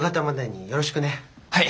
はい！